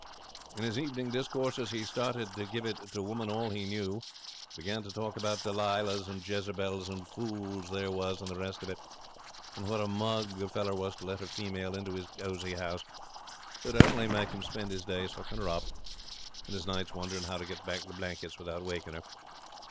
In his evening discourses he started to give it to Woman all he knew. Began to talk about Delilahs and Jezebels and Fools there was and the rest of it, and what a mug a feller was to let a female into 'is cosy home, who'd only make him spend his days hooking her up, and his nights wondering how to get back the blankets without waking her.